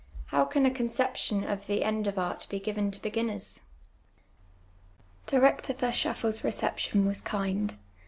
How can a coneejjtion of the end of art be ^ven to beginners ? Dii'ector A'crschatfels reception was kind.